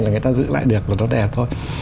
là người ta giữ lại được là nó đẹp thôi